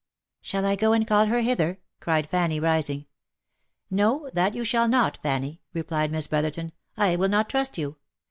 " Shall I go and call her hither ?" cried Fanny, rising. " No ! that you shall not, Fanny," replied Miss Brotherton. " I will not trust you.